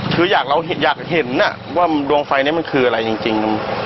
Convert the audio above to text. คืออยากเห็นว่าดวงไฟนี้มันคืออะไรจริง